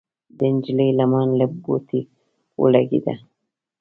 د نجلۍ لمن له بوټي ولګېده.